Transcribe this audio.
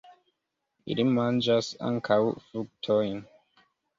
Ili manĝas ankaŭ fruktojn.